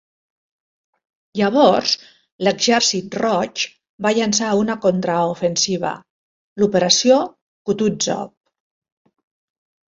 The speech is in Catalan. Llavors, l'Exèrcit Roig va llançar una contraofensiva, l'operació Kutuzov.